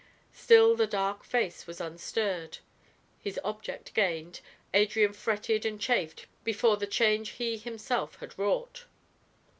Still the dark face was unstirred. His object gained, Adrian fretted and chafed before the change he himself had wrought.